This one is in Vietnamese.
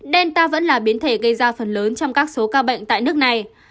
delta vẫn là biến thể gây ra phần lớn trong các số ca bệnh tại nước này